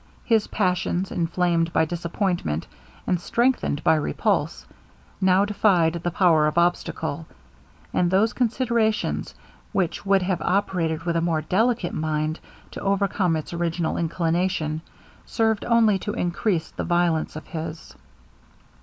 His passions, inflamed by disappointment, and strengthened by repulse, now defied the power of obstacle; and those considerations which would have operated with a more delicate mind to overcome its original inclination, served only to encrease the violence of his.